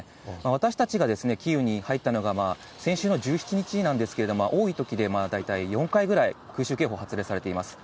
私たちがキーウに入ったのが、先週の１７日なんですけれども、多いときで大体４回ぐらい空襲警報発令されています。